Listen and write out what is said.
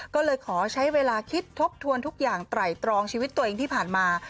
ก็เลยขอใช้เวลาคิดทบทวนทุกอย่างไตรตรองชีวิตตัวเองที่ผ่านมา